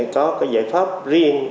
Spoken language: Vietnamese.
có cái giải pháp riêng